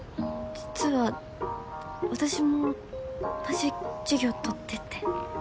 実は私も同じ授業とってて。